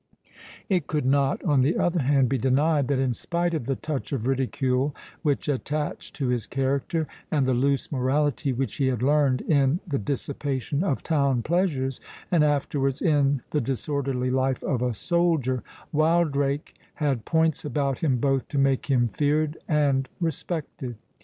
It could not, on the other hand, be denied, that in spite of the touch of ridicule which attached to his character, and the loose morality which he had learned in the dissipation of town pleasures, and afterwards in the disorderly life of a soldier, Wildrake had points about him both to make him feared and respected.